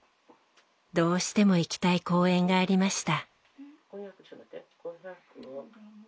どうしても行きたい公演がありました。